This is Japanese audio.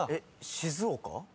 「静岡」？